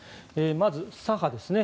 まず、左派ですね